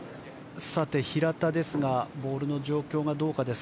平田はボールの状況がどうかです。